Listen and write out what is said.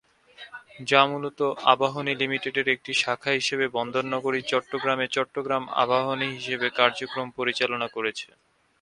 যা মূলত আবাহনী লিমিটেডের একটি শাখা হিসেবে বন্দর নগরী চট্টগ্রামে চট্টগ্রাম আবাহনী হিসেবে কার্যক্রম পরিচালনা করছে।